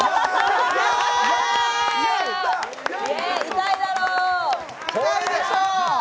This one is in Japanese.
痛いだろう！